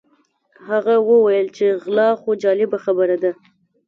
هغه وویل چې غلا خو جالبه خبره ده.